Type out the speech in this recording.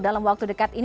dalam waktu dekat ini